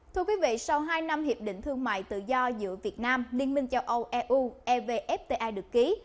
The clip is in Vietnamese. thưa quý vị sau hai năm hiệp định thương mại tự do giữa việt nam liên minh châu âu eu evfta được ký